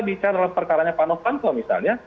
bicara dalam perkara perkara novanto misalnya